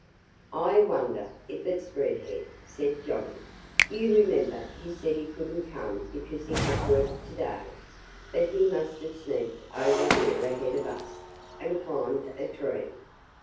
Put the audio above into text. "I wonder if it's Red Head!" said Johnnie. "You remember he said he couldn't come because he had work to day. But he must have sneaked over here ahead of us and climbed a tree."